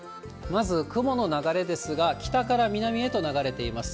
まず、雲の流れですが、北から南へと流れています。